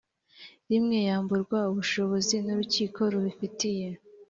rimwe yamburwa ubushobozi n urukiko rubifitiye